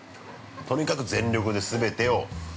◆とにかく全力で全てを。